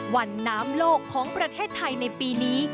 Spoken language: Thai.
วันน้ำโลกของประเทศไทยในปีนี้